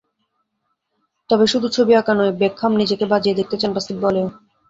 তবে শুধু ছবি আঁকা নয়, বেকহাম নিজেকে বাজিয়ে দেখতে চান বাস্কেটবলেও।